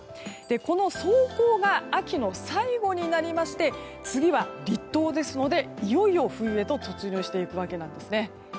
この霜降が秋の最後になりまして次は立冬ですのでいよいよ冬へと突入していくわけなんですね。